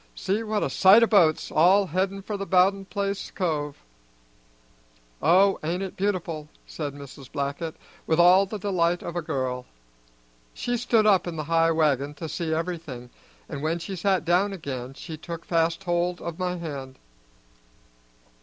See what a sight o' boats, all headin' for the Bowden place cove!" "Oh, ain't it beautiful!" said Mrs. Blackett, with all the delight of a girl. She stood up in the high wagon to see everything, and when she sat down again she took fast hold of my hand.